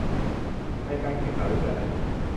ในการแข่งขันเรือนั้น